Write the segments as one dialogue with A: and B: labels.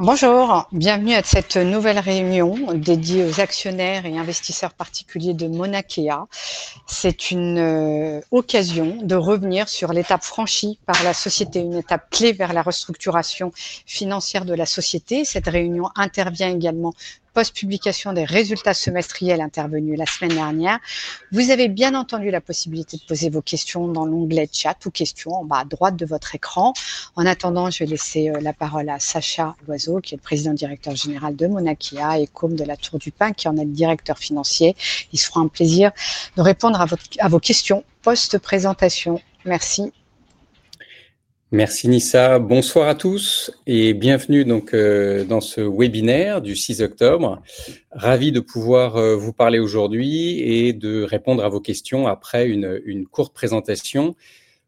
A: Bonjour, bienvenue à cette nouvelle réunion dédiée aux actionnaires et investisseurs particuliers de Mauna Kea. C'est une occasion de revenir sur l'étape franchie par la société, une étape clé vers la restructuration financière de la société. Cette réunion intervient également post-publication des résultats semestriels intervenus la semaine dernière. Vous avez bien entendu la possibilité de poser vos questions dans l'onglet « Chat » ou « Questions » en bas à droite de votre écran. En attendant, je vais laisser la parole à Sacha Loiseau, qui est le Président-Directeur Général de Mauna Kea, et Côme de La Tour du Pin, qui en est le Directeur Financier. Il se fera un plaisir de répondre à vos questions post-présentation. Merci.
B: Merci, Nisa. Bonsoir à tous et bienvenue donc dans ce webinaire du 6 octobre. Ravi de pouvoir vous parler aujourd'hui et de répondre à vos questions après une courte présentation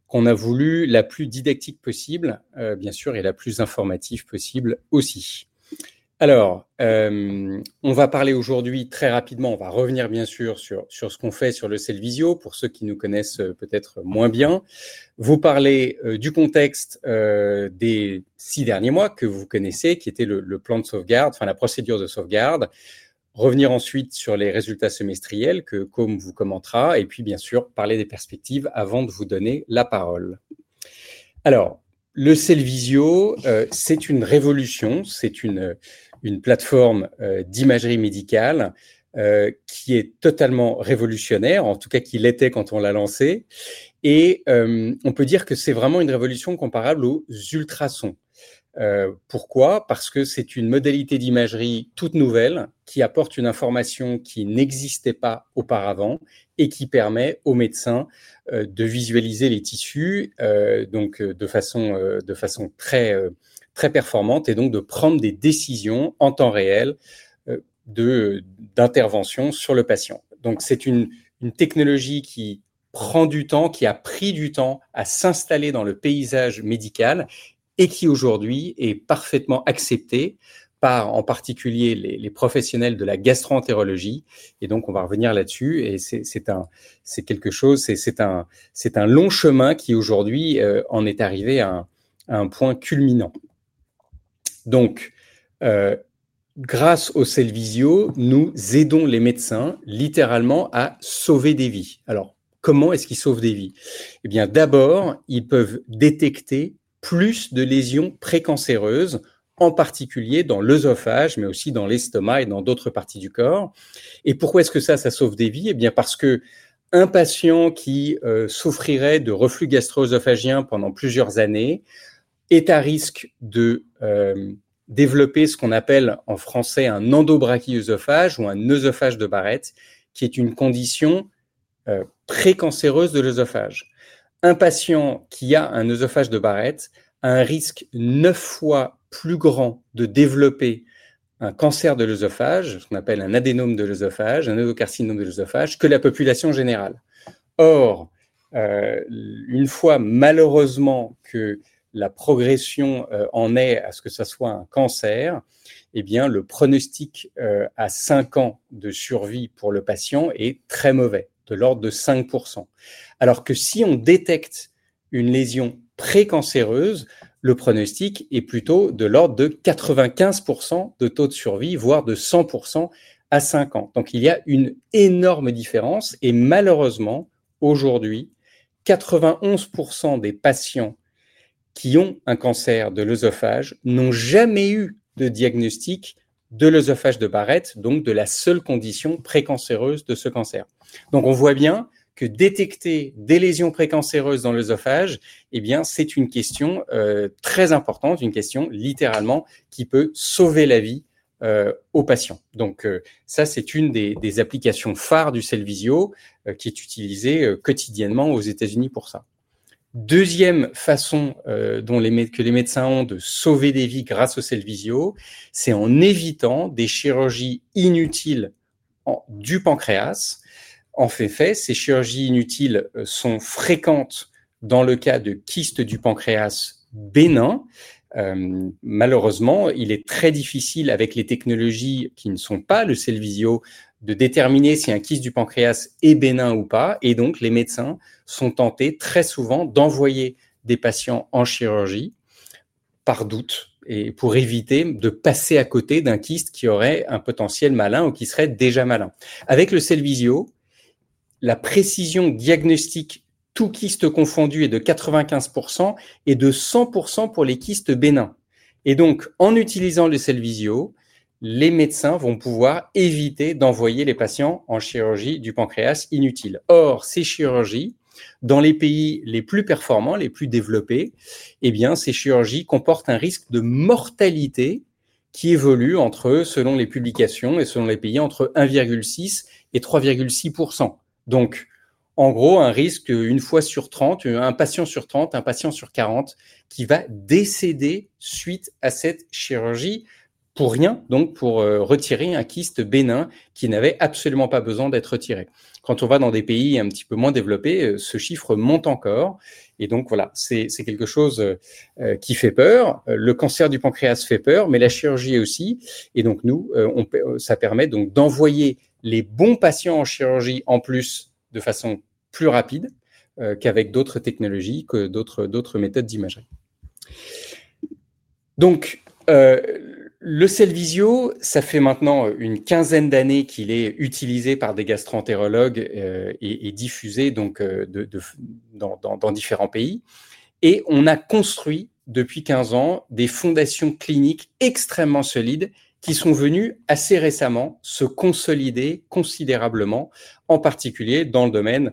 B: qu'on a voulu la plus didactique possible, bien sûr, et la plus informative possible aussi. Alors, on va parler aujourd'hui très rapidement, on va revenir bien sûr sur ce qu'on fait sur le Cellvizio, pour ceux qui nous connaissent peut-être moins bien. Vous parler du contexte des six derniers mois que vous connaissez, qui était le plan de sauvegarde, enfin la procédure de sauvegarde. Revenir ensuite sur les résultats semestriels que Côme vous commentera, et puis bien sûr parler des perspectives avant de vous donner la parole. Alors, le Cellvizio, c'est une révolution, c'est une plateforme d'imagerie médicale qui est totalement révolutionnaire, en tout cas qui l'était quand on l'a lancée, et on peut dire que c'est vraiment une révolution comparable aux ultrasons. Pourquoi? Parce que c'est une modalité d'imagerie toute nouvelle qui apporte une information qui n'existait pas auparavant et qui permet aux médecins de visualiser les tissus donc de façon très très performante et donc de prendre des décisions en temps réel d'intervention sur le patient. Donc, c'est une technologie qui prend du temps, qui a pris du temps à s'installer dans le paysage médical et qui aujourd'hui est parfaitement acceptée par, en particulier, les professionnels de la gastro-entérologie. Et donc, on va revenir là-dessus, et c'est quelque chose, c'est un long chemin qui aujourd'hui en est arrivé à un point culminant. Donc, grâce au Cellvizio, nous aidons les médecins littéralement à sauver des vies. Alors, comment est-ce qu'ils sauvent des vies? D'abord, ils peuvent détecter plus de lésions précancéreuses, en particulier dans l'œsophage, mais aussi dans l'estomac et dans d'autres parties du corps. Et pourquoi est-ce que ça sauve des vies? Parce qu'un patient qui souffrirait de reflux gastro-œsophagien pendant plusieurs années est à risque de développer ce qu'on appelle en français un endobrachyœsophage ou un œsophage de Barrett qui est une condition précancéreuse de l'œsophage. Un patient qui a un œsophage de Barrett a un risque neuf fois plus grand de développer un cancer de l'œsophage, ce qu'on appelle un adénocarcinome de l'œsophage, que la population générale. Or, une fois malheureusement que la progression en est à ce que ça soit un cancer, le pronostic à cinq ans de survie pour le patient est très mauvais, de l'ordre de 5 %. Alors que si on détecte une lésion précancéreuse, le pronostic est plutôt de l'ordre de 95 % de taux de survie, voire de 100 % à cinq ans. Donc, il y a une énorme différence et malheureusement, aujourd'hui, 91 % des patients qui ont un cancer de l'œsophage n'ont jamais eu de diagnostic de l'œsophage de Barrett, donc de la seule condition précancéreuse de ce cancer. Donc, on voit bien que détecter des lésions précancéreuses dans l'œsophage, c'est une question très importante, une question littéralement qui peut sauver la vie aux patients. Donc, ça, c'est une des applications phares du Cellvizio qui est utilisée quotidiennement aux États-Unis pour ça. Deuxième façon que les médecins ont de sauver des vies grâce au Cellvizio, c'est en évitant des chirurgies inutiles du pancréas. En fait, ces chirurgies inutiles sont fréquentes dans le cas de kystes du pancréas bénins. Malheureusement, il est très difficile avec les technologies qui ne sont pas le Cellvizio de déterminer si un kyste du pancréas est bénin ou pas, et donc les médecins sont tentés très souvent d'envoyer des patients en chirurgie par doute et pour éviter de passer à côté d'un kyste qui aurait un potentiel malin ou qui serait déjà malin. Avec le Cellvizio, la précision diagnostique tout kyste confondu est de 95 % et de 100 % pour les kystes bénins. Et donc, en utilisant le Cellvizio, les médecins vont pouvoir éviter d'envoyer les patients en chirurgie du pancréas inutile. Or, ces chirurgies, dans les pays les plus performants, les plus développés, ces chirurgies comportent un risque de mortalité qui évolue selon les publications et selon les pays entre 1,6 et 3,6 %. Donc, en gros, un risque une fois sur 30, un patient sur 30, un patient sur 40 qui va décéder suite à cette chirurgie pour rien, donc pour retirer un kyste bénin qui n'avait absolument pas besoin d'être retiré. Quand on va dans des pays un petit peu moins développés, ce chiffre monte encore et donc voilà, c'est quelque chose qui fait peur. Le cancer du pancréas fait peur, mais la chirurgie aussi, et donc nous, ça permet donc d'envoyer les bons patients en chirurgie en plus de façon plus rapide qu'avec d'autres technologies, que d'autres méthodes d'imagerie. Donc, le Cellvizio, ça fait maintenant une quinzaine d'années qu'il est utilisé par des gastro-entérologues et diffusé donc dans différents pays, et on a construit depuis 15 ans des fondations cliniques extrêmement solides qui sont venues assez récemment se consolider considérablement, en particulier dans le domaine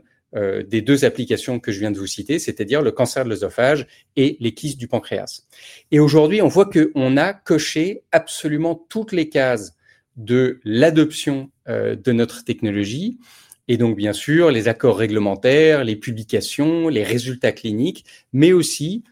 B: des deux applications que je viens de vous citer, c'est-à-dire le cancer de l'œsophage et les kystes du pancréas. Et aujourd'hui, on voit qu'on a coché absolument toutes les cases de l'adoption de notre technologie, et donc bien sûr les accords réglementaires, les publications, les résultats cliniques, mais aussi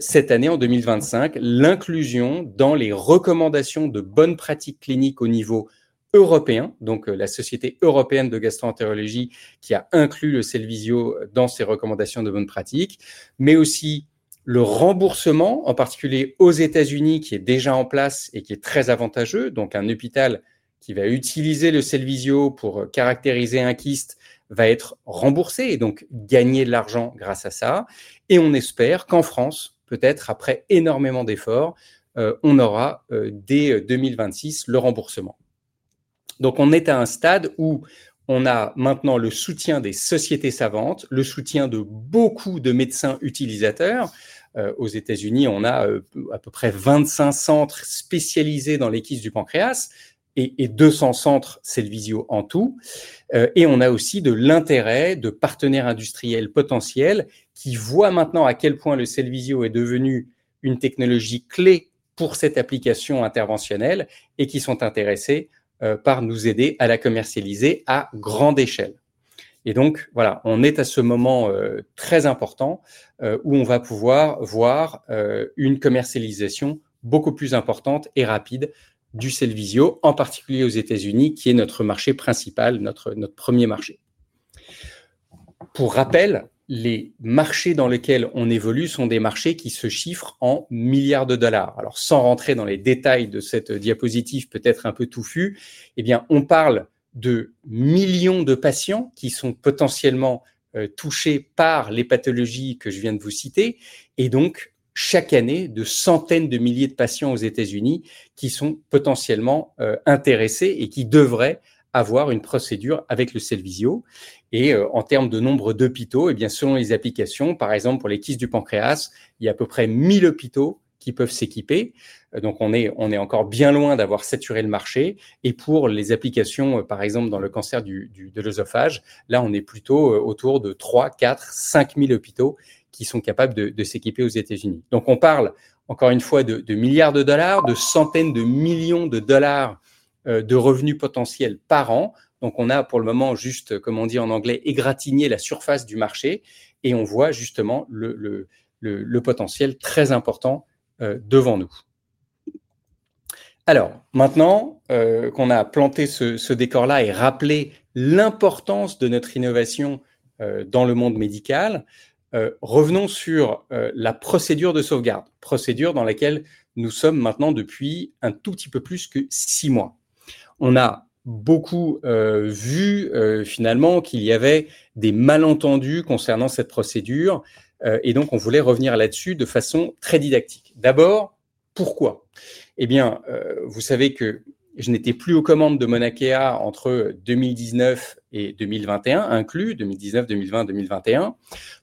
B: cette année en 2025, l'inclusion dans les recommandations de bonnes pratiques cliniques au niveau européen, donc la Société Européenne de Gastro-entérologie qui a inclus le Cellvizio dans ses recommandations de bonnes pratiques, mais aussi le remboursement, en particulier aux États-Unis, qui est déjà en place et qui est très avantageux. Donc, un hôpital qui va utiliser le Cellvizio pour caractériser un kyste va être remboursé et donc gagner de l'argent grâce à ça, et on espère qu'en France, peut-être après énormément d'efforts, on aura dès 2026 le remboursement. Donc, on est à un stade où on a maintenant le soutien des sociétés savantes, le soutien de beaucoup de médecins utilisateurs. Aux États-Unis, on a à peu près 25 centres spécialisés dans les kystes du pancréas et 200 centres Cellvizio en tout, et on a aussi de l'intérêt de partenaires industriels potentiels qui voient maintenant à quel point le Cellvizio est devenu une technologie clé pour cette application interventionnelle et qui sont intéressés par nous aider à la commercialiser à grande échelle. Et donc voilà, on est à ce moment très important où on va pouvoir voir une commercialisation beaucoup plus importante et rapide du Cellvizio, en particulier aux États-Unis, qui est notre marché principal, notre premier marché. Pour rappel, les marchés dans lesquels on évolue sont des marchés qui se chiffrent en milliards de dollars. Alors, sans rentrer dans les détails de cette diapositive peut-être un peu touffue, on parle de millions de patients qui sont potentiellement touchés par les pathologies que je viens de vous citer, et donc chaque année, de centaines de milliers de patients aux États-Unis qui sont potentiellement intéressés et qui devraient avoir une procédure avec le Cellvizio. Et en termes de nombre d'hôpitaux, selon les applications, par exemple pour les kystes du pancréas, il y a à peu près 1 000 hôpitaux qui peuvent s'équiper. Donc, on est encore bien loin d'avoir saturé le marché, et pour les applications, par exemple dans le cancer de l'œsophage, là on est plutôt autour de 3, 4, 5 000 hôpitaux qui sont capables de s'équiper aux États-Unis. Donc, on parle encore une fois de milliards de dollars, de centaines de millions de dollars de revenus potentiels par an. Donc, on a pour le moment juste, comme on dit en anglais, égratigné la surface du marché et on voit justement le potentiel très important devant nous. Alors, maintenant qu'on a planté ce décor-là et rappelé l'importance de notre innovation dans le monde médical, revenons sur la procédure de sauvegarde, procédure dans laquelle nous sommes maintenant depuis un tout petit peu plus que six mois. On a beaucoup vu finalement qu'il y avait des malentendus concernant cette procédure et donc on voulait revenir là-dessus de façon très didactique. D'abord, pourquoi? Vous savez que je n'étais plus aux commandes de Mauna Kea entre 2019 et 2021 inclus, 2019-2020-2021.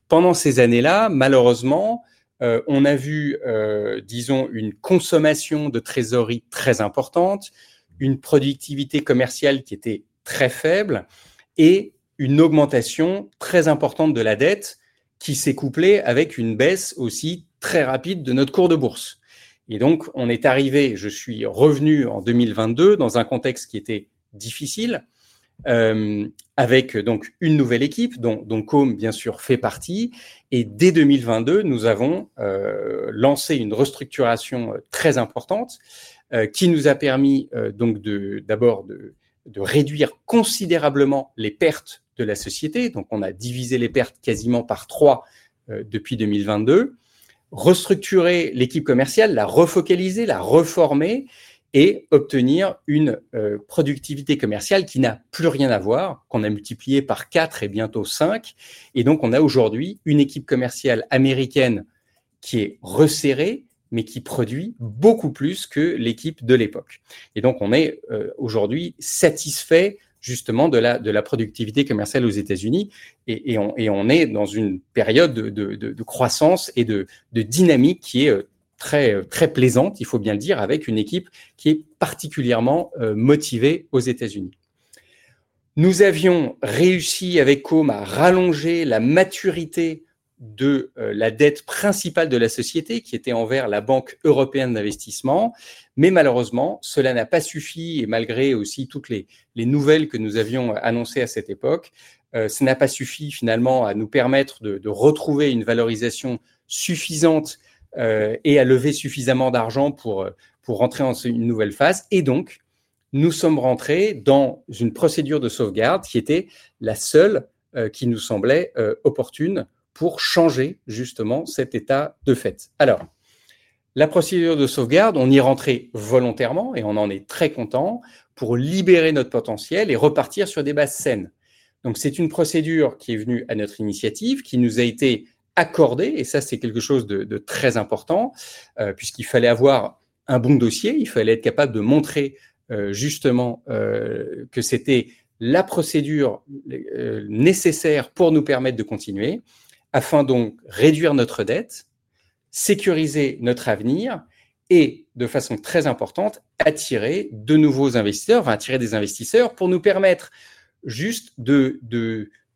B: Pendant ces années-là, malheureusement, on a vu, disons, une consommation de trésorerie très importante, une productivité commerciale qui était très faible et une augmentation très importante de la dette qui s'est couplée avec une baisse aussi très rapide de notre cours de bourse. Et donc, on est arrivé, je suis revenu en 2022 dans un contexte qui était difficile, avec donc une nouvelle équipe dont Côme bien sûr fait partie. Et dès 2022, nous avons lancé une restructuration très importante qui nous a permis donc d'abord de réduire considérablement les pertes de la société. Donc, on a divisé les pertes quasiment par trois depuis 2022, restructurer l'équipe commerciale, la refocaliser, la reformer et obtenir une productivité commerciale qui n'a plus rien à voir, qu'on a multiplié par quatre et bientôt cinq. Et donc, on a aujourd'hui une équipe commerciale américaine qui est resserrée, mais qui produit beaucoup plus que l'équipe de l'époque. Et donc, on est aujourd'hui satisfait justement de la productivité commerciale aux États-Unis et on est dans une période de croissance et de dynamique qui est très très plaisante, il faut bien le dire, avec une équipe qui est particulièrement motivée aux États-Unis. Nous avions réussi avec Côme à rallonger la maturité de la dette principale de la société qui était envers la Banque Européenne d'Investissement, mais malheureusement, cela n'a pas suffi et malgré aussi toutes les nouvelles que nous avions annoncées à cette époque, ça n'a pas suffi finalement à nous permettre de retrouver une valorisation suffisante et à lever suffisamment d'argent pour entrer dans une nouvelle phase. Et donc, nous sommes rentrés dans une procédure de sauvegarde qui était la seule qui nous semblait opportune pour changer justement cet état de fait. Alors, la procédure de sauvegarde, on y est rentré volontairement et on en est très content pour libérer notre potentiel et repartir sur des bases saines. Donc, c'est une procédure qui est venue à notre initiative, qui nous a été accordée, et ça, c'est quelque chose de très important puisqu'il fallait avoir un bon dossier, il fallait être capable de montrer justement que c'était la procédure nécessaire pour nous permettre de continuer afin de réduire notre dette, sécuriser notre avenir et de façon très importante, attirer de nouveaux investisseurs, enfin attirer des investisseurs pour nous permettre juste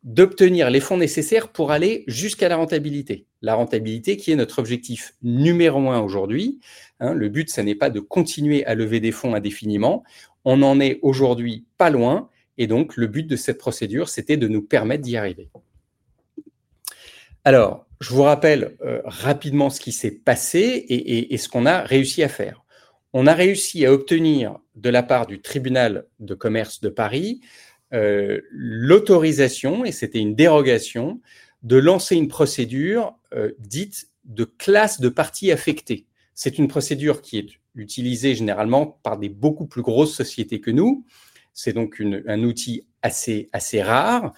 B: d'obtenir les fonds nécessaires pour aller jusqu'à la rentabilité. La rentabilité qui est notre objectif numéro un aujourd'hui. Le but, ça n'est pas de continuer à lever des fonds indéfiniment, on n'en est aujourd'hui pas loin et donc le but de cette procédure, c'était de nous permettre d'y arriver. Alors, je vous rappelle rapidement ce qui s'est passé et ce qu'on a réussi à faire. On a réussi à obtenir de la part du tribunal de commerce de Paris l'autorisation, et c'était une dérogation, de lancer une procédure dite de classe de parties affectées. C'est une procédure qui est utilisée généralement par des beaucoup plus grosses sociétés que nous. C'est donc un outil assez rare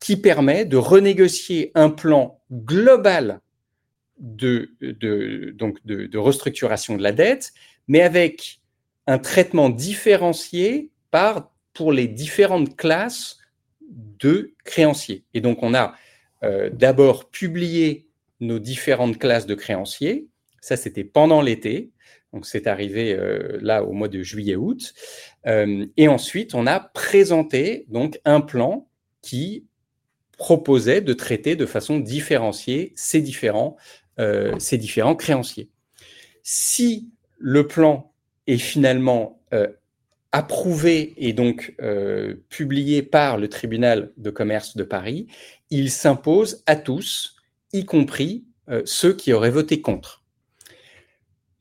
B: qui permet de renégocier un plan global de restructuration de la dette, mais avec un traitement différencié pour les différentes classes de créanciers. Et donc, on a d'abord publié nos différentes classes de créanciers, ça c'était pendant l'été, donc c'est arrivé là au mois de juillet-août, et ensuite on a présenté donc un plan qui proposait de traiter de façon différenciée ces différents créanciers. Si le plan est finalement approuvé et donc publié par le tribunal de commerce de Paris, il s'impose à tous, y compris ceux qui auraient voté contre.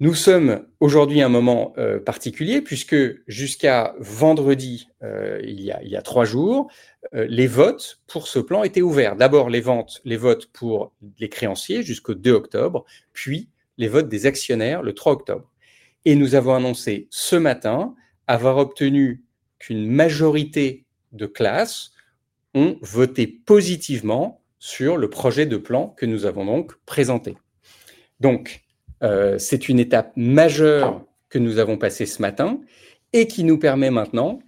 B: Nous sommes aujourd'hui à un moment particulier puisque jusqu'à vendredi, il y a trois jours, les votes pour ce plan étaient ouverts. D'abord les votes pour les créanciers jusqu'au 2 octobre, puis les votes des actionnaires le 3 octobre. Et nous avons annoncé ce matin avoir obtenu qu'une majorité de classes ont voté positivement sur le projet de plan que nous avons donc présenté. Donc, c'est une étape majeure que nous avons passée ce matin et qui nous permet maintenant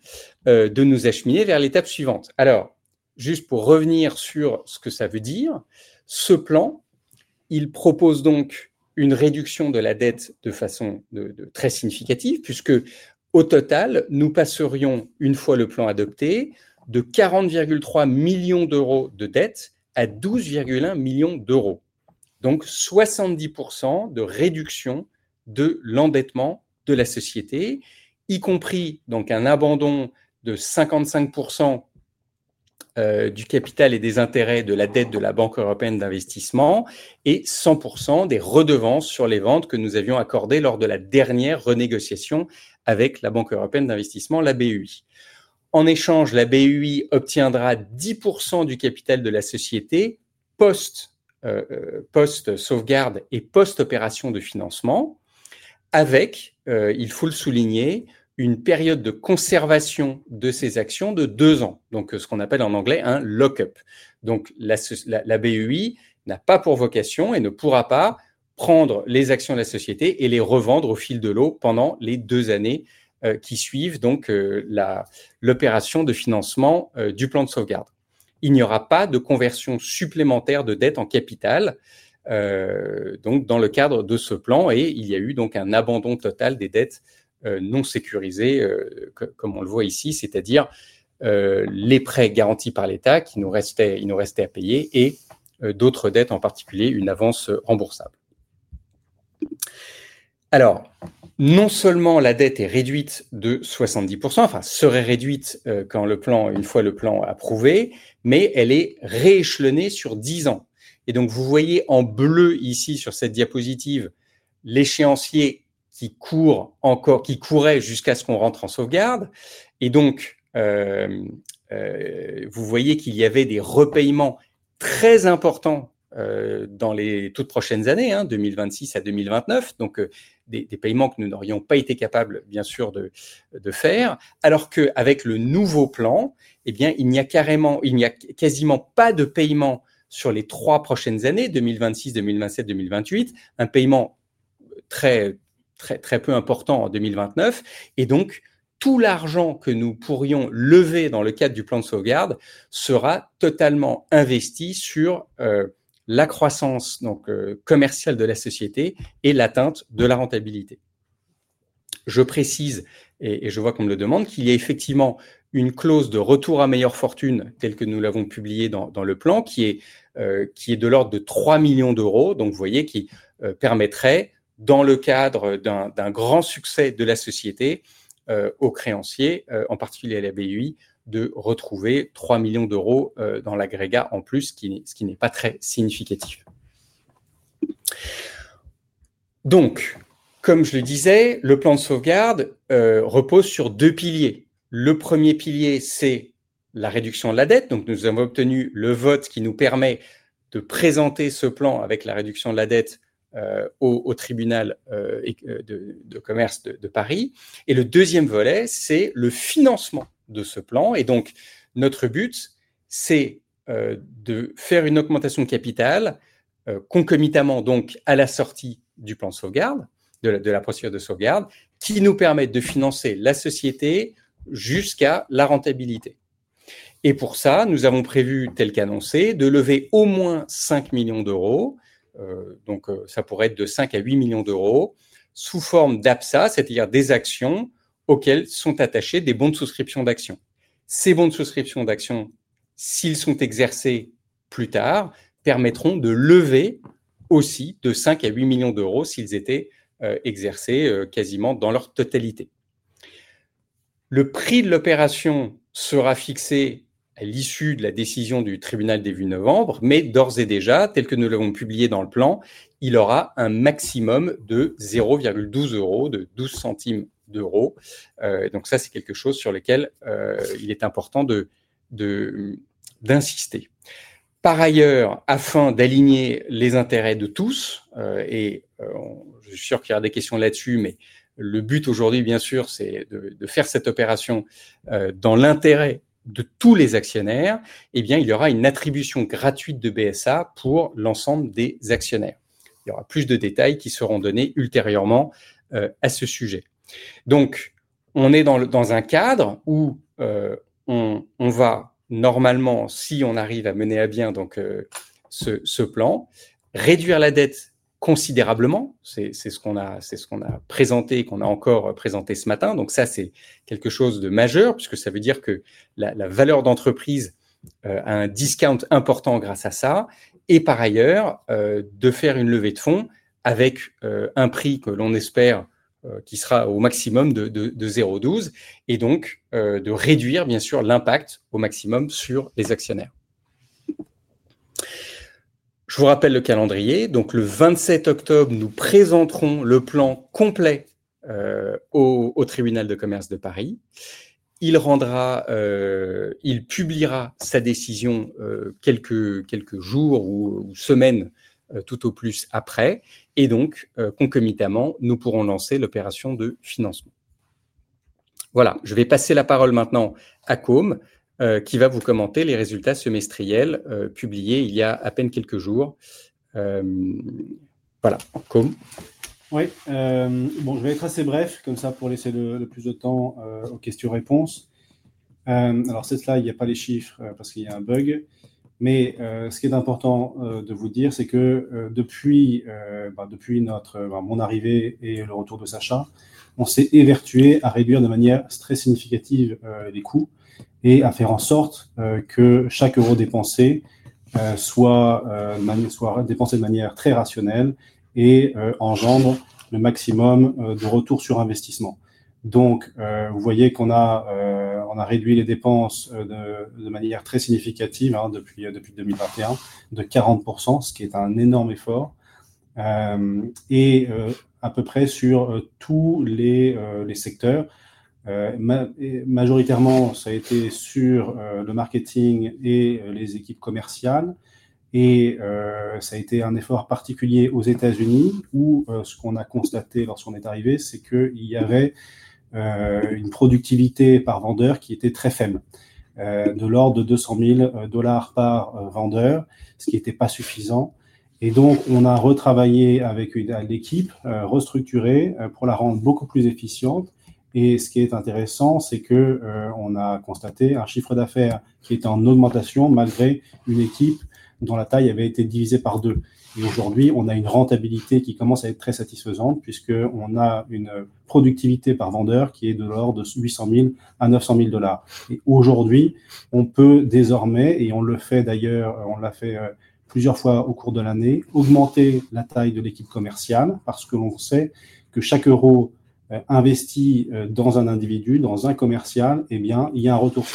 B: de nous acheminer vers l'étape suivante. Alors, juste pour revenir sur ce que ça veut dire, ce plan, il propose donc une réduction de la dette de façon très significative puisqu'au total, nous passerions, une fois le plan adopté, de 40,3 millions d'euros de dettes à 12,1 millions d'euros. Donc, 70 % de réduction de l'endettement de la société, y compris donc un abandon de 55 % du capital et des intérêts de la dette de la Banque Européenne d'Investissement et 100 % des redevances sur les ventes que nous avions accordées lors de la dernière renégociation avec la Banque Européenne d'Investissement, la BEI. En échange, la BEI obtiendra 10 % du capital de la société post-sauvegarde et post-opération de financement, avec, il faut le souligner, une période de conservation de ses actions de deux ans, donc ce qu'on appelle en anglais un lock-up. Donc, la BEI n'a pas pour vocation et ne pourra pas prendre les actions de la société et les revendre au fil de l'eau pendant les deux années qui suivent donc l'opération de financement du plan de sauvegarde. Il n'y aura pas de conversion supplémentaire de dette en capital, donc dans le cadre de ce plan, et il y a eu donc un abandon total des dettes non sécurisées, comme on le voit ici, c'est-à-dire les prêts garantis par l'État qui nous restaient à payer et d'autres dettes, en particulier une avance remboursable. Alors, non seulement la dette est réduite de 70 %, enfin, serait réduite quand le plan, une fois le plan approuvé, mais elle est rééchelonnée sur 10 ans. Et donc, vous voyez en bleu ici sur cette diapositive l'échéancier qui court encore, qui courait jusqu'à ce qu'on rentre en sauvegarde, et donc vous voyez qu'il y avait des remboursements très importants dans les toutes prochaines années, 2026 à 2029, donc des paiements que nous n'aurions pas été capables, bien sûr, de faire, alors qu'avec le nouveau plan, il n'y a carrément, il n'y a quasiment pas de paiement sur les trois prochaines années, 2026, 2027, 2028, un paiement très, très, très peu important en 2029, et donc tout l'argent que nous pourrions lever dans le cadre du plan de sauvegarde sera totalement investi sur la croissance donc commerciale de la société et l'atteinte de la rentabilité. Je précise, et je vois qu'on me le demande, qu'il y a effectivement une clause de retour à meilleure fortune telle que nous l'avons publiée dans le plan, qui est de l'ordre de 3 millions d'euros, donc vous voyez qui permettrait, dans le cadre d'un grand succès de la société aux créanciers, en particulier à la BEI, de retrouver 3 millions d'euros dans l'agrégat en plus, ce qui n'est pas très significatif. Donc, comme je le disais, le plan de sauvegarde repose sur deux piliers. Le premier pilier, c'est la réduction de la dette, donc nous avons obtenu le vote qui nous permet de présenter ce plan avec la réduction de la dette au tribunal de commerce de Paris, et le deuxième volet, c'est le financement de ce plan, et donc notre but, c'est de faire une augmentation de capital concomitamment donc à la sortie du plan de sauvegarde, de la procédure de sauvegarde, qui nous permette de financer la société jusqu'à la rentabilité. Et pour ça, nous avons prévu, tel qu'annoncé, de lever au moins 5 millions d'euros, donc ça pourrait être de 5 à 8 millions d'euros, sous forme d'ABSA, c'est-à-dire des actions auxquelles sont attachés des bons de souscription d'actions. Ces bons de souscription d'actions, s'ils sont exercés plus tard, permettront de lever aussi de 5 à 8 millions d'euros s'ils étaient exercés quasiment dans leur totalité. Le prix de l'opération sera fixé à l'issue de la décision du tribunal début novembre, mais d'ores et déjà, tel que nous l'avons publié dans le plan, il aura un maximum de 0,12 euros, de 12 centimes d'euros, donc ça, c'est quelque chose sur lequel il est important d'insister. Par ailleurs, afin d'aligner les intérêts de tous, et je suis sûr qu'il y aura des questions là-dessus, mais le but aujourd'hui, bien sûr, c'est de faire cette opération dans l'intérêt de tous les actionnaires, il y aura une attribution gratuite de BSA pour l'ensemble des actionnaires. Il y aura plus de détails qui seront donnés ultérieurement à ce sujet. Donc, on est dans un cadre où on va normalement, si on arrive à mener à bien donc ce plan, réduire la dette considérablement, c'est ce qu'on a présenté, qu'on a encore présenté ce matin, donc ça, c'est quelque chose de majeur puisque ça veut dire que la valeur d'entreprise a un discount important grâce à ça, et par ailleurs, de faire une levée de fonds avec un prix que l'on espère qui sera au maximum de 0,12, et donc de réduire, bien sûr, l'impact au maximum sur les actionnaires. Je vous rappelle le calendrier, donc le 27 octobre, nous présenterons le plan complet au tribunal de commerce de Paris. Il publiera sa décision quelques jours ou semaines tout au plus après, et donc concomitamment, nous pourrons lancer l'opération de financement. Voilà, je vais passer la parole maintenant à Côme, qui va vous commenter les résultats semestriels publiés il y a à peine quelques jours. Voilà, Côme.
C: Oui, bon, je vais être assez bref comme ça pour laisser le plus de temps aux questions-réponses. Alors, c'est ça, il n'y a pas les chiffres parce qu'il y a un bug, mais ce qui est important de vous dire, c'est que depuis mon arrivée et le retour de Sacha, on s'est évertué à réduire de manière très significative les coûts et à faire en sorte que chaque euro dépensé soit dépensé de manière très rationnelle et engendre le maximum de retour sur investissement. Donc, vous voyez qu'on a réduit les dépenses de manière très significative depuis 2021, de 40%, ce qui est un énorme effort. Et à peu près sur tous les secteurs, majoritairement, ça a été sur le marketing et les équipes commerciales, et ça a été un effort particulier aux États-Unis où ce qu'on a constaté lorsqu'on est arrivé, c'est qu'il y avait une productivité par vendeur qui était très faible, de l'ordre de $200 000 par vendeur, ce qui n'était pas suffisant. Et donc, on a retravaillé avec une équipe restructurée pour la rendre beaucoup plus efficiente, et ce qui est intéressant, c'est qu'on a constaté un chiffre d'affaires qui était en augmentation malgré une équipe dont la taille avait été divisée par deux. Et aujourd'hui, on a une rentabilité qui commence à être très satisfaisante puisqu'on a une productivité par vendeur qui est de l'ordre de $800 000 à $900 000. Et aujourd'hui, on peut désormais, et on le fait d'ailleurs, on l'a fait plusieurs fois au cours de l'année, augmenter la taille de l'équipe commerciale parce que l'on sait que chaque euro investi dans un individu, dans un commercial, il y a un retour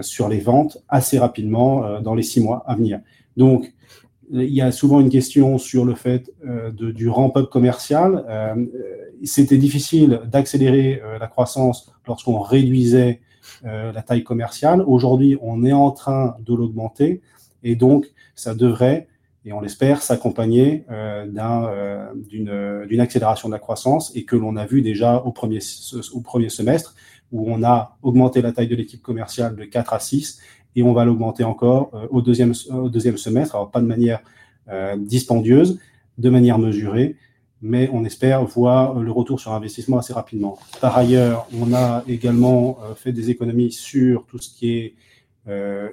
C: sur les ventes assez rapidement dans les six mois à venir. Donc, il y a souvent une question sur le fait du ramp-up commercial. C'était difficile d'accélérer la croissance lorsqu'on réduisait la taille commerciale. Aujourd'hui, on est en train de l'augmenter, et donc ça devrait, et on l'espère, s'accompagner d'une accélération de la croissance et que l'on a vue déjà au premier semestre où on a augmenté la taille de l'équipe commerciale de quatre à six, et on va l'augmenter encore au deuxième semestre, alors pas de manière distendueuse, de manière mesurée, mais on espère voir le retour sur investissement assez rapidement. Par ailleurs, on a également fait des économies sur tout ce qui est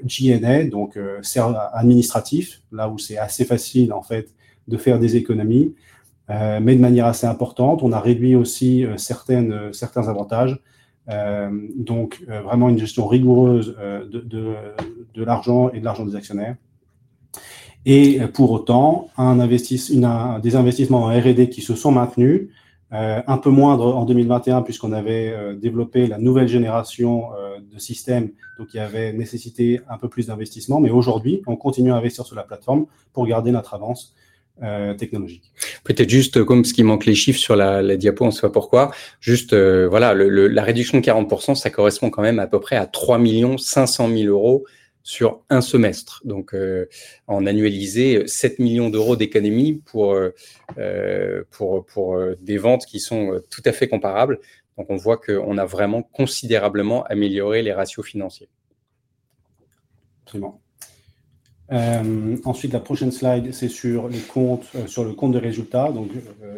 C: G&A, donc c'est administratif, là où c'est assez facile en fait de faire des économies, mais de manière assez importante, on a réduit aussi certains avantages, donc vraiment une gestion rigoureuse de l'argent et de l'argent des actionnaires. Et pour autant, un des investissements en R&D qui se sont maintenus, un peu moindre en 2021 puisqu'on avait développé la nouvelle génération de système, donc il y avait nécessité un peu plus d'investissement, mais aujourd'hui, on continue à investir sur la plateforme pour garder notre avance technologique.
B: Peut-être juste comme ce qui manque, les chiffres sur la diapo, on ne sait pas pourquoi, juste voilà, la réduction de 40%, ça correspond quand même à peu près à 3 500 000 € sur un semestre, donc en annualisé 7 millions d'euros d'économies pour des ventes qui sont tout à fait comparables, donc on voit qu'on a vraiment considérablement amélioré les ratios financiers.
C: Absolument. Ensuite, la prochaine slide, c'est sur les comptes, sur le compte des résultats, donc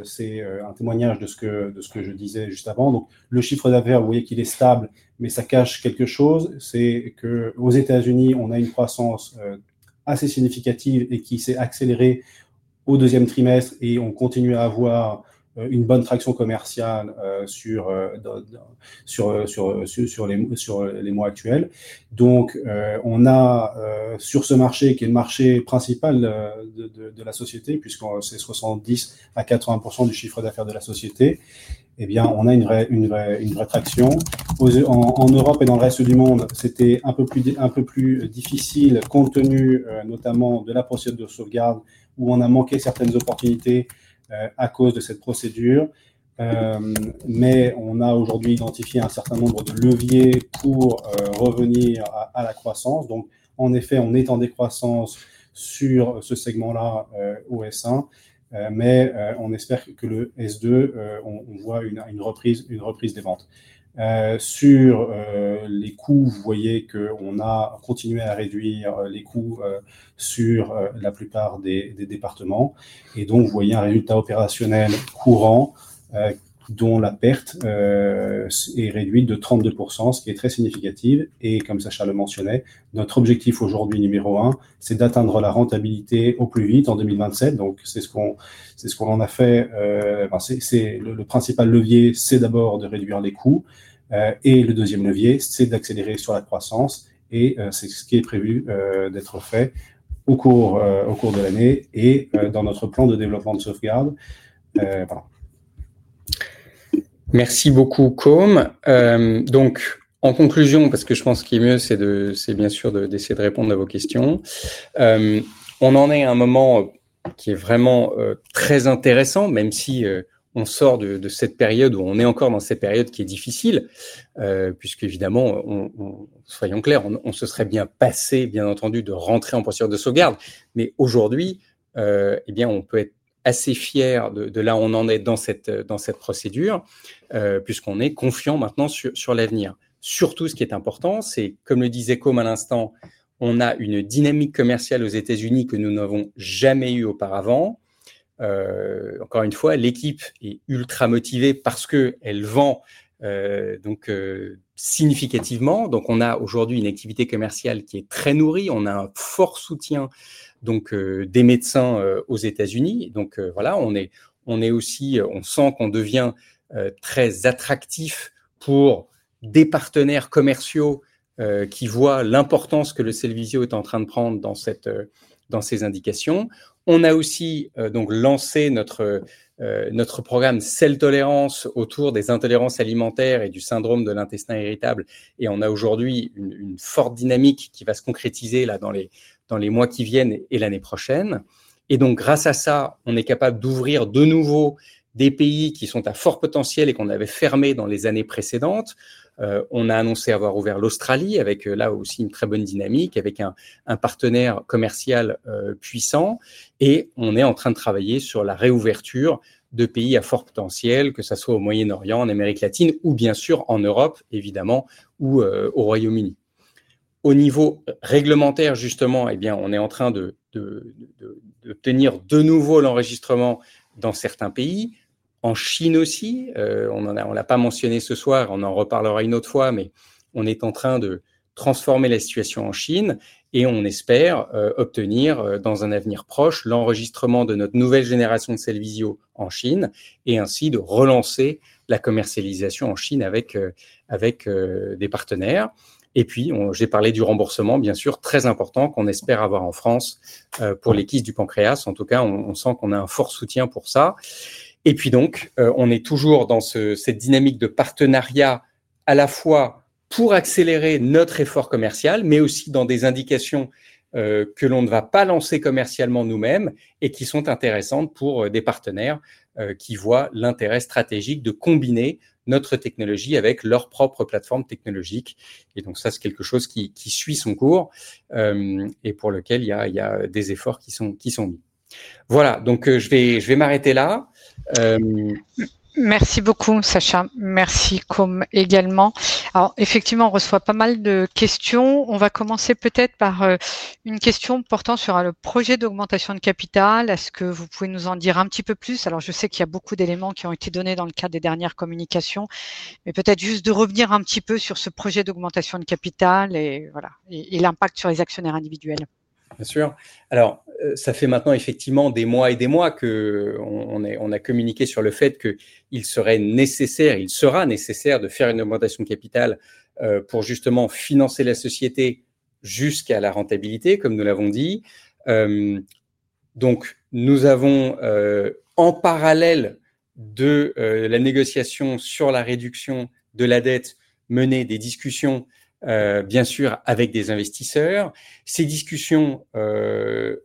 C: c'est un témoignage de ce que je disais juste avant, donc le chiffre d'affaires, vous voyez qu'il est stable, mais ça cache quelque chose, c'est qu'aux États-Unis, on a une croissance assez significative et qui s'est accélérée au deuxième trimestre, et on continue à avoir une bonne traction commerciale sur les mois actuels. Donc, on a sur ce marché qui est le marché principal de la société, puisque c'est 70 à 80% du chiffre d'affaires de la société, on a une vraie traction. En Europe et dans le reste du monde, c'était un peu plus difficile compte tenu notamment de la procédure de sauvegarde où on a manqué certaines opportunités à cause de cette procédure, mais on a aujourd'hui identifié un certain nombre de leviers pour revenir à la croissance. Donc, en effet, on est en décroissance sur ce segment-là au S1, mais on espère que le S2, on voit une reprise des ventes. Sur les coûts, vous voyez qu'on a continué à réduire les coûts sur la plupart des départements, et donc vous voyez un résultat opérationnel courant dont la perte est réduite de 32%, ce qui est très significatif, et comme Sacha le mentionnait, notre objectif aujourd'hui numéro un, c'est d'atteindre la rentabilité au plus vite en 2027, donc c'est ce qu'on a fait. C'est le principal levier, c'est d'abord de réduire les coûts, et le deuxième levier, c'est d'accélérer sur la croissance, et c'est ce qui est prévu d'être fait au cours de l'année et dans notre plan de développement de sauvegarde.
B: Merci beaucoup, Come. Donc, en conclusion, parce que je pense ce qui est mieux, c'est de c'est bien sûr d'essayer de répondre à vos questions. On en est à un moment qui est vraiment très intéressant, même si on sort de cette période où on est encore dans cette période qui est difficile, puisqu'évidemment, on soyons clairs, on se serait bien passé, bien entendu, de rentrer en procédure de sauvegarde, mais aujourd'hui, bien, on peut être assez fier de là où on en est dans cette procédure, puisqu'on est confiant maintenant sur l'avenir. Surtout, ce qui est important, c'est, comme le disait Come à l'instant, on a une dynamique commerciale aux États-Unis que nous n'avons jamais eue auparavant. Encore une fois, l'équipe est ultra motivée parce qu'elle vend donc significativement. Donc, on a aujourd'hui une activité commerciale qui est très nourrie, on a un fort soutien donc des médecins aux États-Unis. Donc, voilà, on est aussi, on sent qu'on devient très attractif pour des partenaires commerciaux qui voient l'importance que le Sellvisio est en train de prendre dans ces indications. On a aussi donc lancé notre programme Sell Tolérance autour des intolérances alimentaires et du syndrome de l'intestin irritable, et on a aujourd'hui une forte dynamique qui va se concrétiser là dans les mois qui viennent et l'année prochaine. Et donc, grâce à ça, on est capable d'ouvrir de nouveau des pays qui sont à fort potentiel et qu'on avait fermés dans les années précédentes. On a annoncé avoir ouvert l'Australie avec là aussi une très bonne dynamique, avec un partenaire commercial puissant, et on est en train de travailler sur la réouverture de pays à fort potentiel, que ça soit au Moyen-Orient, en Amérique latine ou bien sûr en Europe, évidemment, ou au Royaume-Uni. Au niveau réglementaire, justement, bien, on est en train d'obtenir de nouveau l'enregistrement dans certains pays, en Chine aussi, on ne l'a pas mentionné ce soir, on en reparlera une autre fois, mais on est en train de transformer la situation en Chine et on espère obtenir dans un avenir proche l'enregistrement de notre nouvelle génération de Sellvisio en Chine et ainsi de relancer la commercialisation en Chine avec des partenaires. Et puis, j'ai parlé du remboursement, bien sûr, très important qu'on espère avoir en France pour les kystes du pancréas, en tout cas, on sent qu'on a un fort soutien pour ça. Et puis donc, on est toujours dans cette dynamique de partenariat à la fois pour accélérer notre effort commercial, mais aussi dans des indications que l'on ne va pas lancer commercialement nous-mêmes et qui sont intéressantes pour des partenaires qui voient l'intérêt stratégique de combiner notre technologie avec leur propre plateforme technologique. Et donc ça, c'est quelque chose qui suit son cours et pour lequel il y a des efforts qui sont mis. Voilà, donc je vais m'arrêter là. Merci beaucoup, Sacha. Merci, Côme également. Alors, effectivement, on reçoit pas mal de questions. On va commencer peut-être par une question portant sur le projet d'augmentation de capital. Est-ce que vous pouvez nous en dire un petit peu plus? Alors, je sais qu'il y a beaucoup d'éléments qui ont été donnés dans le cadre des dernières communications, mais peut-être juste de revenir un petit peu sur ce projet d'augmentation de capital et voilà, et l'impact sur les actionnaires individuels. Bien sûr. Alors, ça fait maintenant effectivement des mois et des mois qu'on a communiqué sur le fait qu'il serait nécessaire, il sera nécessaire de faire une augmentation de capital pour justement financer la société jusqu'à la rentabilité, comme nous l'avons dit. Donc, nous avons en parallèle de la négociation sur la réduction de la dette mené des discussions bien sûr avec des investisseurs. Ces discussions disons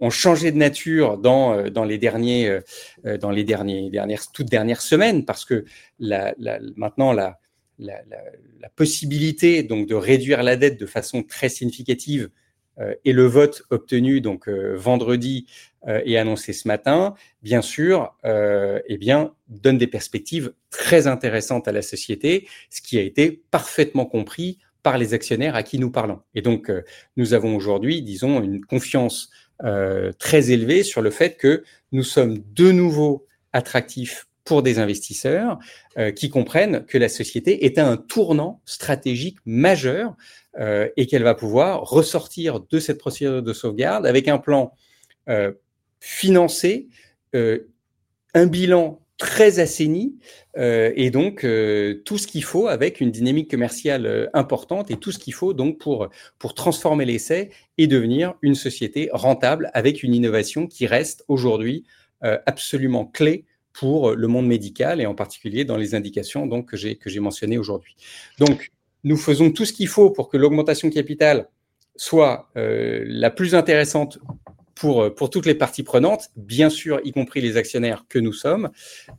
B: ont changé de nature dans les dernières toutes dernières semaines parce que la maintenant la possibilité donc de réduire la dette de façon très significative et le vote obtenu donc vendredi et annoncé ce matin, bien sûr et bien donne des perspectives très intéressantes à la société, ce qui a été parfaitement compris par les actionnaires à qui nous parlons. Et donc, nous avons aujourd'hui, disons, une confiance très élevée sur le fait que nous sommes de nouveau attractifs pour des investisseurs qui comprennent que la société est à un tournant stratégique majeur et qu'elle va pouvoir ressortir de cette procédure de sauvegarde avec un plan financé, un bilan très assaini et donc tout ce qu'il faut avec une dynamique commerciale importante et tout ce qu'il faut donc pour transformer l'essai et devenir une société rentable avec une innovation qui reste aujourd'hui absolument clé pour le monde médical et en particulier dans les indications donc que j'ai mentionnées aujourd'hui. Donc, nous faisons tout ce qu'il faut pour que l'augmentation de capital soit la plus intéressante pour toutes les parties prenantes, bien sûr, y compris les actionnaires que nous sommes.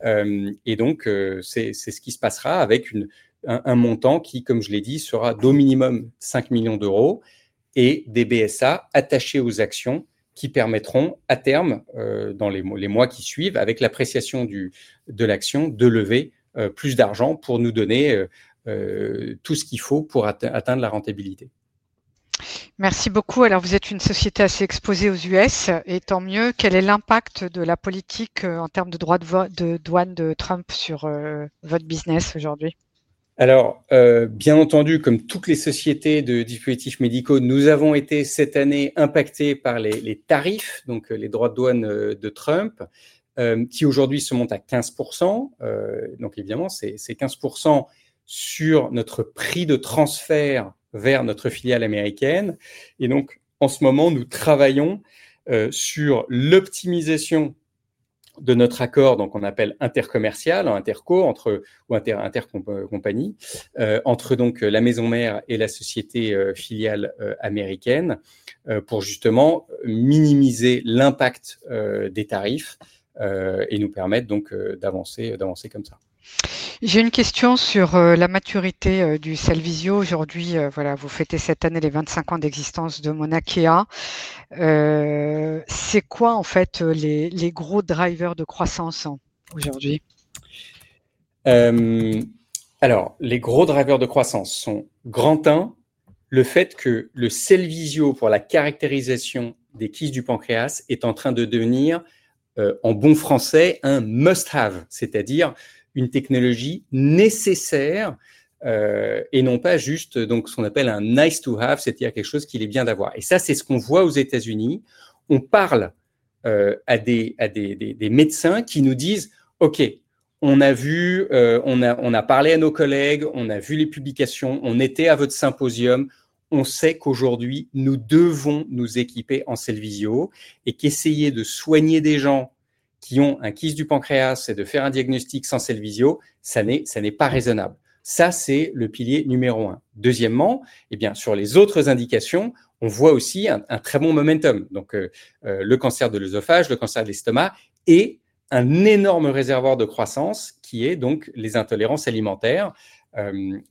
B: Et donc c'est ce qui se passera avec un montant qui, comme je l'ai dit, sera d'au minimum 5 millions d'euros et des BSA attachés aux actions qui permettront à terme dans les mois qui suivent, avec l'appréciation de l'action, de lever plus d'argent pour nous donner tout ce qu'il faut pour atteindre la rentabilité. Merci beaucoup. Alors, vous êtes une société assez exposée aux États-Unis et tant mieux. Quel est l'impact de la politique en termes de droits de douane de Trump sur votre business aujourd'hui? Alors, bien entendu, comme toutes les sociétés de dispositifs médicaux, nous avons été cette année impactés par les tarifs, donc les droits de douane de Trump, qui aujourd'hui se montent à 15%. Donc, évidemment, c'est 15% sur notre prix de transfert vers notre filiale américaine. Et donc, en ce moment, nous travaillons sur l'optimisation de notre accord, donc qu'on appelle intercommercial, en interco entre ou intercompagnie, entre donc la maison mère et la société filiale américaine, pour justement minimiser l'impact des tarifs et nous permettre donc d'avancer comme ça. J'ai une question sur la maturité de Sellvisio. Aujourd'hui, voilà, vous fêtez cette année les 25 ans d'existence de Mauna Kea. C'est quoi en fait les gros drivers de croissance aujourd'hui? Alors, les gros drivers de croissance sont, grand un, le fait que le Cellvizio pour la caractérisation des kystes du pancréas est en train de devenir, en bon français, un must-have, c'est-à-dire une technologie nécessaire et non pas juste donc ce qu'on appelle un nice-to-have, c'est-à-dire quelque chose qu'il est bien d'avoir. Et ça, c'est ce qu'on voit aux États-Unis. On parle à des médecins qui nous disent: « Ok, on a vu, on a parlé à nos collègues, on a vu les publications, on était à votre symposium, on sait qu'aujourd'hui nous devons nous équiper en Cellvizio et qu'essayer de soigner des gens qui ont un kyste du pancréas et de faire un diagnostic sans Cellvizio, ça n'est pas raisonnable. » Ça, c'est le pilier numéro un. Deuxièmement, bien, sur les autres indications, on voit aussi un très bon momentum. Donc, le cancer de l'œsophage, le cancer de l'estomac et un énorme réservoir de croissance qui est donc les intolérances alimentaires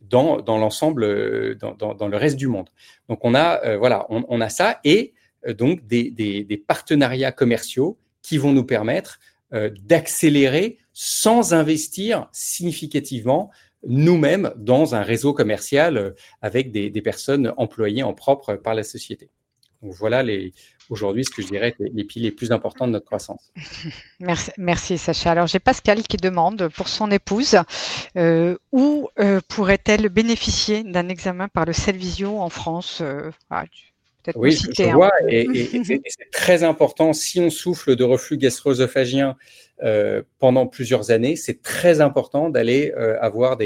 B: dans l'ensemble, dans le reste du monde. Donc, on a ça et donc des partenariats commerciaux qui vont nous permettre d'accélérer sans investir significativement nous-mêmes dans un réseau commercial avec des personnes employées en propre par la société. Donc, voilà aujourd'hui ce que je dirais les piliers les plus importants de notre croissance. Merci, merci Sacha. Alors, j'ai Pascal qui demande pour son épouse: « Où pourrait-elle bénéficier d'un examen par le Sellvisio en France? » Oui, on le voit et c'est très important. Si on souffre de reflux gastro-œsophagien pendant plusieurs années, c'est très important d'aller avoir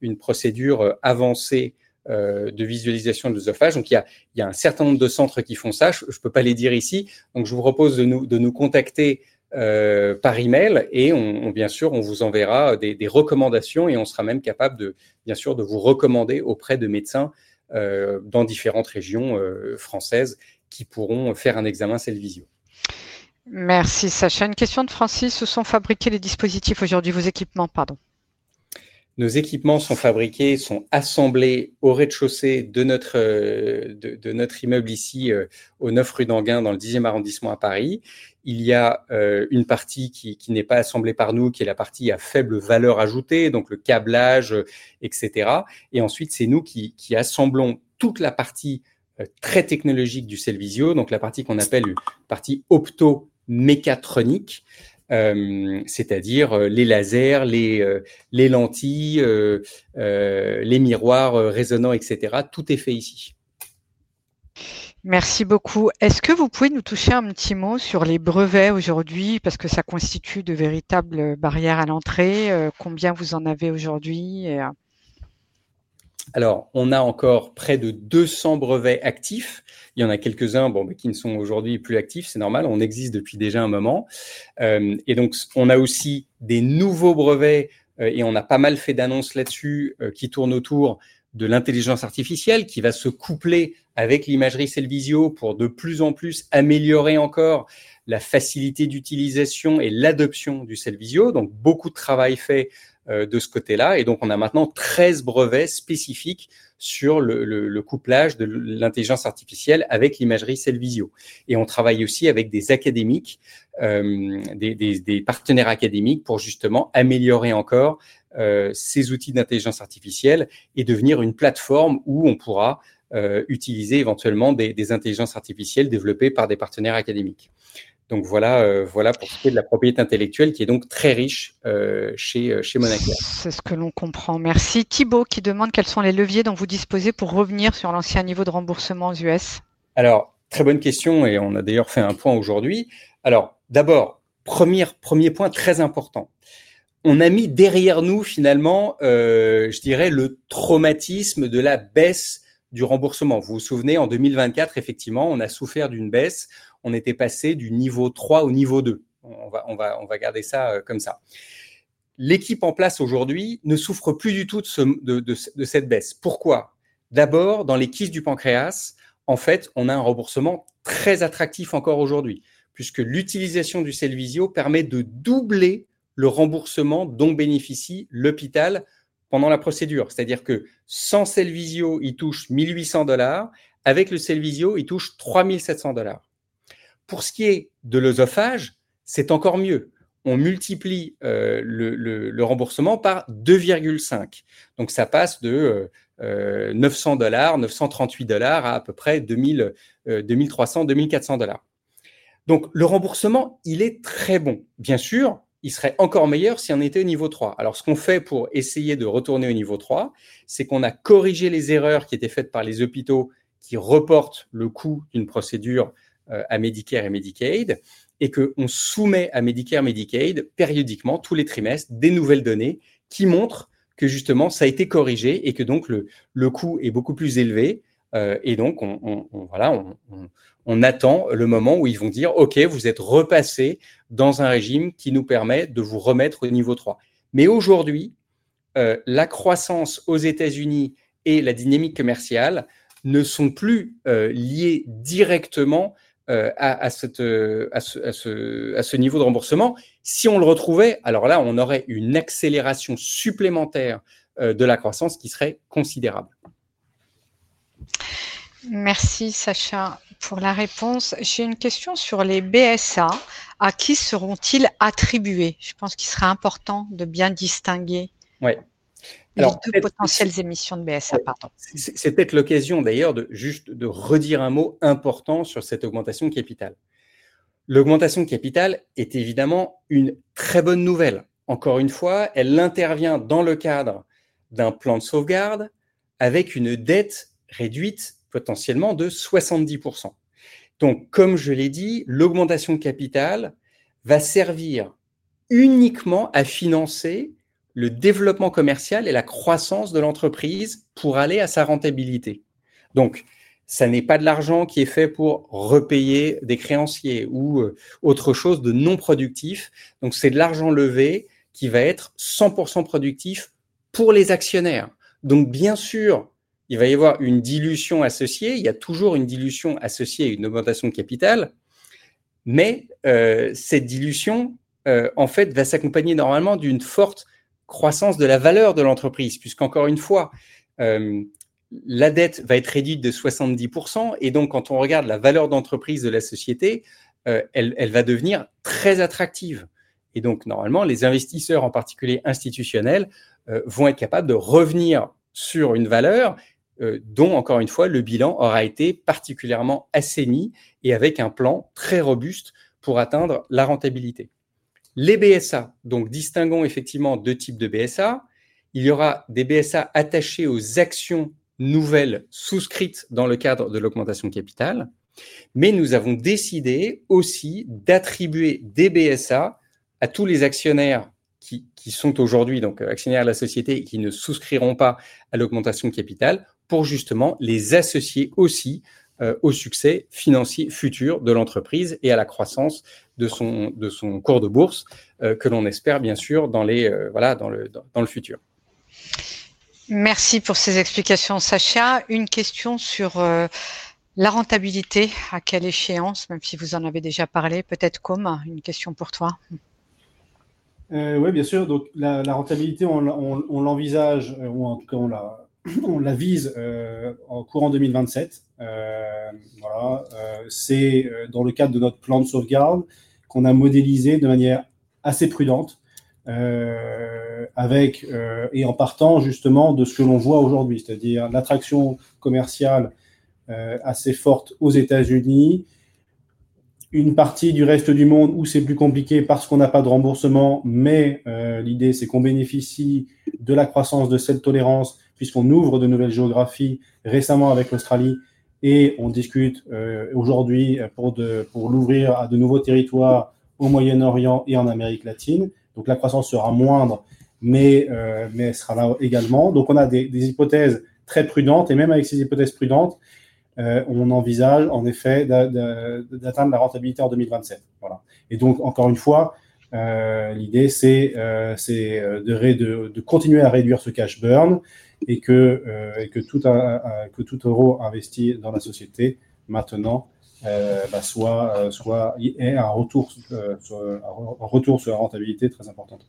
B: une procédure avancée de visualisation de l'œsophage. Donc, il y a un certain nombre de centres qui font ça, je ne peux pas les dire ici. Donc, je vous propose de nous contacter par email et on, bien sûr, on vous enverra des recommandations et on sera même capable de, bien sûr, de vous recommander auprès de médecins dans différentes régions françaises qui pourront faire un examen Cellvizio. Merci Sacha. Une question de Francis: « Où sont fabriqués les dispositifs aujourd'hui? » Vos équipements, pardon? Nos équipements sont fabriqués, sont assemblés au rez-de-chaussée de notre immeuble ici au 9 rue d'Enghien, dans le 10e arrondissement à Paris. Il y a une partie qui n'est pas assemblée par nous, qui est la partie à faible valeur ajoutée, donc le câblage, etc. Et ensuite, c'est nous qui assemblons toute la partie très technologique du Sellvisio, donc la partie qu'on appelle une partie opto-mécatronique, c'est-à-dire les lasers, les lentilles, les miroirs résonants, etc. Tout est fait ici. Merci beaucoup. Est-ce que vous pouvez nous toucher un petit mot sur les brevets aujourd'hui, parce que ça constitue de véritables barrières à l'entrée? Combien vous en avez aujourd'hui? Alors, on a encore près de 200 brevets actifs. Il y en a quelques-uns, bon, mais qui ne sont aujourd'hui plus actifs, c'est normal, on existe depuis déjà un moment. Et donc, on a aussi des nouveaux brevets et on a pas mal fait d'annonces là-dessus qui tournent autour de l'intelligence artificielle qui va se coupler avec l'imagerie Cellvizio pour de plus en plus améliorer encore la facilité d'utilisation et l'adoption du Cellvizio. Donc, beaucoup de travail fait de ce côté-là. Et donc, on a maintenant 13 brevets spécifiques sur le couplage de l'intelligence artificielle avec l'imagerie Cellvizio. Et on travaille aussi avec des académiques, des partenaires académiques pour justement améliorer encore ces outils d'intelligence artificielle et devenir une plateforme où on pourra utiliser éventuellement des intelligences artificielles développées par des partenaires académiques. Donc, voilà, voilà pour ce qui est de la propriété intellectuelle qui est donc très riche chez Mauna Kea. C'est ce que l'on comprend. Merci. Thibault qui demande: « Quels sont les leviers dont vous disposez pour revenir sur l'ancien niveau de remboursement aux États-Unis? » Alors, très bonne question et on a d'ailleurs fait un point aujourd'hui. Alors, d'abord, premier point très important. On a mis derrière nous finalement, je dirais le traumatisme de la baisse du remboursement. Vous vous souvenez, en 2024, effectivement, on a souffert d'une baisse, on était passé du niveau 3 au niveau 2. On va garder ça comme ça. L'équipe en place aujourd'hui ne souffre plus du tout de cette baisse. Pourquoi? D'abord, dans les kystes du pancréas, en fait, on a un remboursement très attractif encore aujourd'hui, puisque l'utilisation du Sellvisio permet de doubler le remboursement dont bénéficie l'hôpital pendant la procédure. C'est-à-dire que sans Sellvisio, il touche $1,800, avec le Sellvisio, il touche $3,700. Pour ce qui est de l'œsophage, c'est encore mieux. On multiplie le remboursement par 2,5. Donc, ça passe de $900, $938 à peu près $2,300, $2,400. Donc, le remboursement, il est très bon. Bien sûr, il serait encore meilleur si on était au niveau 3. Alors, ce qu'on fait pour essayer de retourner au niveau 3, c'est qu'on a corrigé les erreurs qui étaient faites par les hôpitaux qui reportent le coût d'une procédure à Medicare et Medicaid et qu'on soumet à Medicare et Medicaid périodiquement, tous les trimestres, des nouvelles données qui montrent que justement ça a été corrigé et que donc le coût est beaucoup plus élevé. Et donc, on voilà, on attend le moment où ils vont dire: « Ok, vous êtes repassé dans un régime qui nous permet de vous remettre au niveau 3. » Mais aujourd'hui, la croissance aux États-Unis et la dynamique commerciale ne sont plus liées directement à ce niveau de remboursement. Si on le retrouvait, alors là, on aurait une accélération supplémentaire de la croissance qui serait considérable. Merci Sacha pour la réponse. J'ai une question sur les BSA. À qui seront-ils attribués? Je pense qu'il serait important de bien distinguer. Oui. Les potentielles émissions de BSA. C'est peut-être l'occasion d'ailleurs de juste redire un mot important sur cette augmentation de capital. L'augmentation de capital est évidemment une très bonne nouvelle. Encore une fois, elle intervient dans le cadre d'un plan de sauvegarde avec une dette réduite potentiellement de 70%. Donc, comme je l'ai dit, l'augmentation de capital va servir uniquement à financer le développement commercial et la croissance de l'entreprise pour aller à sa rentabilité. Donc, ce n'est pas de l'argent qui est fait pour repayer des créanciers ou autre chose de non productif. Donc, c'est de l'argent levé qui va être 100% productif pour les actionnaires. Donc, bien sûr, il va y avoir une dilution associée. Il y a toujours une dilution associée à une augmentation de capital, mais cette dilution, en fait, va s'accompagner normalement d'une forte croissance de la valeur de l'entreprise, puisqu'encore une fois, la dette va être réduite de 70%. Et donc, quand on regarde la valeur d'entreprise de la société, elle va devenir très attractive. Et donc, normalement, les investisseurs, en particulier institutionnels, vont être capables de revenir sur une valeur dont encore une fois, le bilan aura été particulièrement assaini et avec un plan très robuste pour atteindre la rentabilité. Les BSA, donc, distinguons effectivement deux types de BSA. Il y aura des BSA attachés aux actions nouvelles souscrites dans le cadre de l'augmentation de capital, mais nous avons décidé aussi d'attribuer des BSA à tous les actionnaires qui sont aujourd'hui donc actionnaires de la société et qui ne souscriront pas à l'augmentation de capital pour justement les associer aussi au succès financier futur de l'entreprise et à la croissance de son cours de bourse que l'on espère, bien sûr, dans le futur. Merci pour ces explications, Sacha. Une question sur la rentabilité, à quelle échéance, même si vous en avez déjà parlé, peut-être Come, une question pour toi.
C: Oui, bien sûr. Donc, la rentabilité, on l'envisage ou en tout cas, on la vise en courant 2027. Voilà, c'est dans le cadre de notre plan de sauvegarde qu'on a modélisé de manière assez prudente avec et en partant justement de ce que l'on voit aujourd'hui, c'est-à-dire l'attraction commerciale assez forte aux États-Unis, une partie du reste du monde où c'est plus compliqué parce qu'on n'a pas de remboursement, mais l'idée c'est qu'on bénéficie de la croissance de cette tolérance puisqu'on ouvre de nouvelles géographies récemment avec l'Australie et on discute aujourd'hui pour l'ouvrir à de nouveaux territoires au Moyen-Orient et en Amérique latine. Donc, la croissance sera moindre, mais sera là également. Donc, on a des hypothèses très prudentes et même avec ces hypothèses prudentes, on envisage en effet d'atteindre la rentabilité en 2027. Voilà. Encore une fois, l'idée c'est de continuer à réduire ce cash burn et que tout euro investi dans la société maintenant ait un retour sur la rentabilité très importante.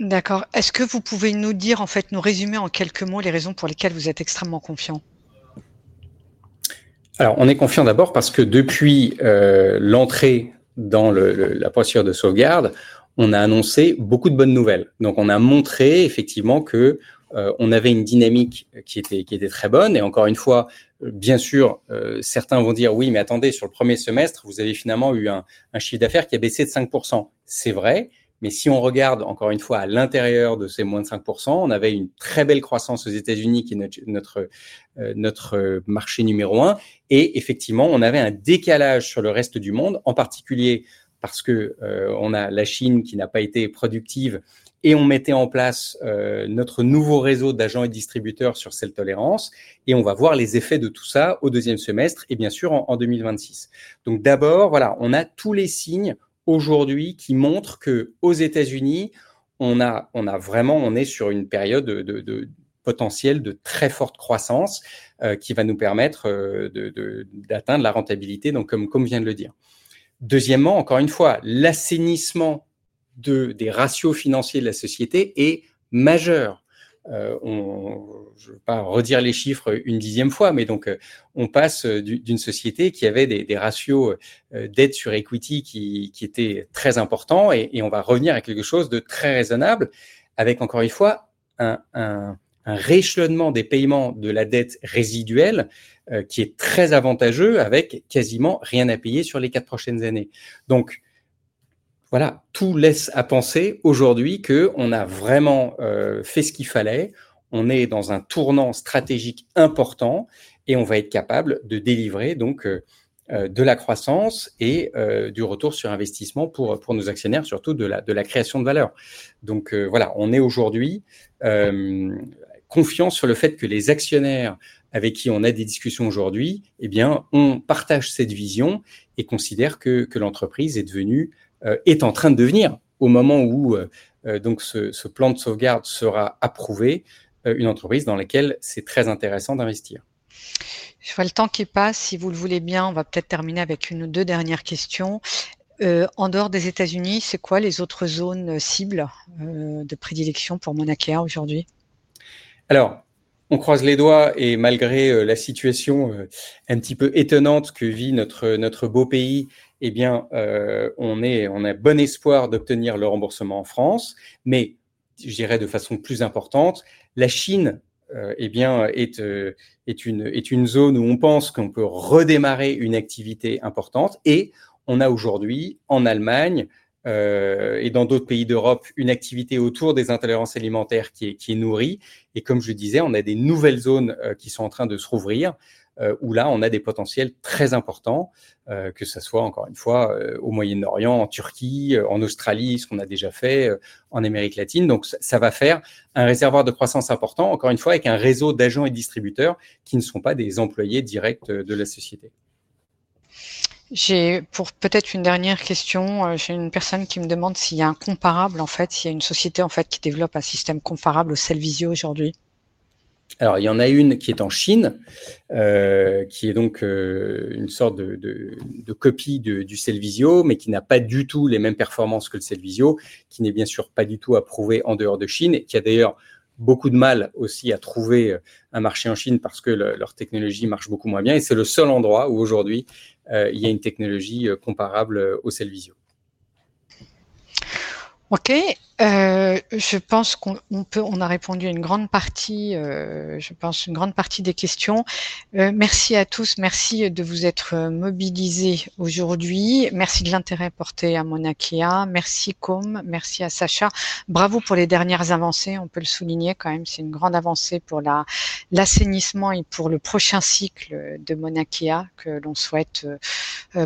C: D'accord. Est-ce que vous pouvez nous dire, en fait, nous résumer en quelques mots les raisons pour lesquelles vous êtes extrêmement confiant?
B: Alors, on est confiant d'abord parce que depuis l'entrée dans la procédure de sauvegarde, on a annoncé beaucoup de bonnes nouvelles. Donc, on a montré effectivement qu'on avait une dynamique qui était très bonne. Et encore une fois, bien sûr, certains vont dire: « Oui, mais attendez, sur le premier semestre, vous avez finalement eu un chiffre d'affaires qui a baissé de 5 %.» C'est vrai, mais si on regarde encore une fois à l'intérieur de ces moins de 5 %, on avait une très belle croissance aux États-Unis qui est notre marché numéro un. Et effectivement, on avait un décalage sur le reste du monde, en particulier parce qu'on a la Chine qui n'a pas été productive et on mettait en place notre nouveau réseau d'agents et distributeurs sur cette tolérance. Et on va voir les effets de tout ça au deuxième semestre et bien sûr en 2026. Donc, d'abord, voilà, on a tous les signes aujourd'hui qui montrent qu'aux États-Unis, on a vraiment, on est sur une période de potentiel de très forte croissance qui va nous permettre d'atteindre la rentabilité, donc comme vient de le dire. Deuxièmement, encore une fois, l'assainissement des ratios financiers de la société est majeur. Je ne vais pas redire les chiffres une dixième fois, mais donc on passe d'une société qui avait des ratios d'aide sur equity qui étaient très importants. Et on va revenir à quelque chose de très raisonnable avec encore une fois un rééchelonnement des paiements de la dette résiduelle qui est très avantageux avec quasiment rien à payer sur les quatre prochaines années. Donc, voilà, tout laisse à penser aujourd'hui qu'on a vraiment fait ce qu'il fallait. On est dans un tournant stratégique important et on va être capable de délivrer donc de la croissance et du retour sur investissement pour nos actionnaires, surtout de la création de valeur. Donc voilà, on est aujourd'hui confiant sur le fait que les actionnaires avec qui on a des discussions aujourd'hui, bien, on partage cette vision et considère que l'entreprise est en train de devenir, au moment où donc ce plan de sauvegarde sera approuvé, une entreprise dans laquelle c'est très intéressant d'investir. Je vois le temps qui passe. Si vous le voulez bien, on va peut-être terminer avec une ou deux dernières questions. En dehors des États-Unis, c'est quoi les autres zones cibles de prédilection pour Mauna Kea aujourd'hui? Alors, on croise les doigts et malgré la situation un petit peu étonnante que vit notre beau pays, bien, on a bon espoir d'obtenir le remboursement en France. Mais je dirais de façon plus importante, la Chine, bien, est une zone où on pense qu'on peut redémarrer une activité importante. Et on a aujourd'hui en Allemagne et dans d'autres pays d'Europe une activité autour des intolérances alimentaires qui est nourrie. Et comme je le disais, on a des nouvelles zones qui sont en train de s'ouvrir où là, on a des potentiels très importants, que ce soit encore une fois au Moyen-Orient, en Turquie, en Australie, ce qu'on a déjà fait en Amérique latine. Donc, ça va faire un réservoir de croissance important, encore une fois, avec un réseau d'agents et distributeurs qui ne sont pas des employés directs de la société. J'ai peut-être une dernière question. J'ai une personne qui me demande s'il y a un comparable, en fait, s'il y a une société en fait qui développe un système comparable au Sellvisio aujourd'hui. Alors, il y en a une qui est en Chine, qui est donc une sorte de copie du Sellvisio, mais qui n'a pas du tout les mêmes performances que le Sellvisio, qui n'est bien sûr pas du tout approuvé en dehors de Chine, et qui a d'ailleurs beaucoup de mal aussi à trouver un marché en Chine parce que leur technologie marche beaucoup moins bien. Et c'est le seul endroit où aujourd'hui il y a une technologie comparable au Sellvisio. Ok, je pense qu'on peut, on a répondu à une grande partie, je pense, une grande partie des questions. Merci à tous, merci de vous être mobilisés aujourd'hui. Merci de l'intérêt porté à Mauna Kea. Merci Come, merci à Sacha. Bravo pour les dernières avancées, on peut le souligner quand même, c'est une grande avancée pour l'assainissement et pour le prochain cycle de Mauna Kea que l'on souhaite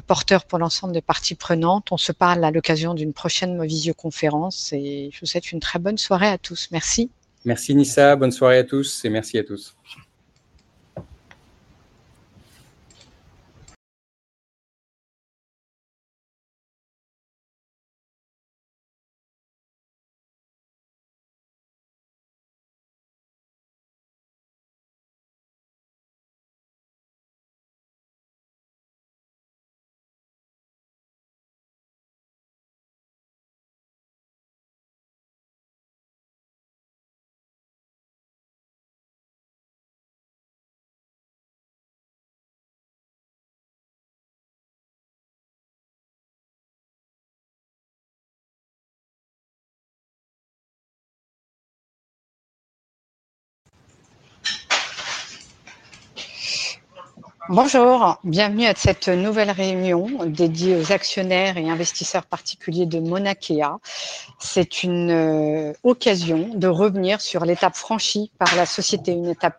B: porteur pour l'ensemble des parties prenantes. On se parle à l'occasion d'une prochaine visioconférence et je vous souhaite une très bonne soirée à tous. Merci. Merci Nisa, bonne soirée à tous et merci à tous. Bonjour, bienvenue à cette nouvelle réunion dédiée aux actionnaires et investisseurs particuliers de Mauna Kea. C'est une occasion de revenir sur l'étape franchie par la société, une étape.